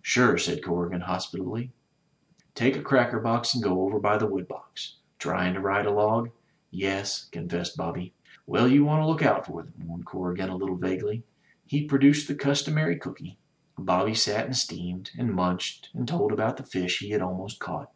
"Sure," said Corrigan, hospitably . "Take a cracker box and go over by the wood box. Tryin' to ride a log?" "Yes," confessed Bobby. "Well, you want to look out for them!" warned Corrigan a little vaguely. He produced the customary cooky. Bobby sat and steamed, and munched and told about the fish he had al most caught.